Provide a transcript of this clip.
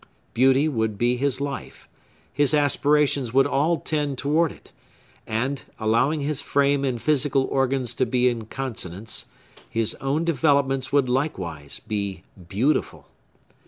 Beauty would be his life; his aspirations would all tend toward it; and, allowing his frame and physical organs to be in consonance, his own developments would likewise be beautiful.